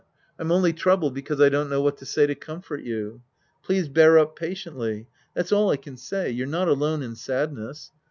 I'm only troubled because I don't know what to say to comfort you. Please bear up patiently. That's all I can say. You're not alone in sadness.